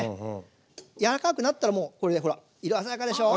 やわらかくなったらもうこれでほら色鮮やかでしょう？